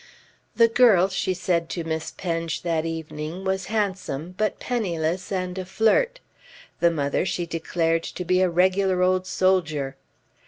The girl, she said to Miss Penge that evening, was handsome, but penniless and a flirt. The mother she declared to be a regular old soldier.